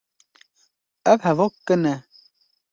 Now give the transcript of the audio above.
Ev hevok kin e.